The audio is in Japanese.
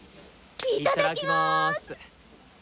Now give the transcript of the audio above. いただきます！